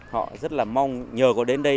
họ rất là mong nhờ có đến đây